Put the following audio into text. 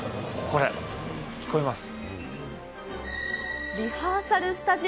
これ、聞こえます？